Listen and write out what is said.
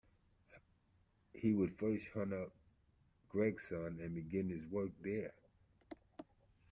He would first hunt up Gregson and begin his work there.